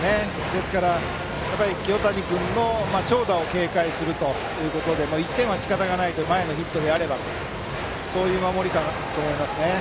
ですから、清谷君の長打を警戒するということで１点はしかたがないというそういう守りだと思います。